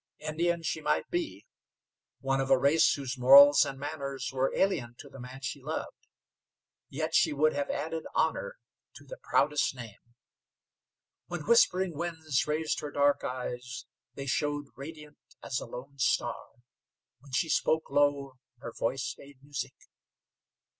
Indian she might be, one of a race whose morals and manners were alien to the man she loved, yet she would have added honor to the proudest name. When Whispering Winds raised her dark eyes they showed radiant as a lone star; when she spoke low her voice made music.